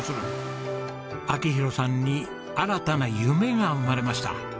明宏さんに新たな夢が生まれました。